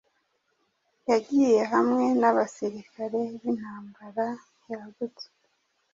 Yagiye hamwe nabasirikare bintambara yagutse